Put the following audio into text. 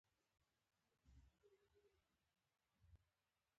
ترموز د زړه تود احساس لري.